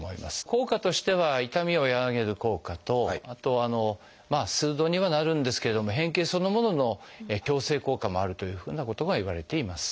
効果としては痛みを和らげる効果とあと数度にはなるんですけれども変形そのものの矯正効果もあるというふうなことがいわれています。